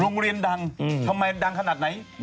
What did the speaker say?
โรงเรียนดังทำไมดังขนาดไหน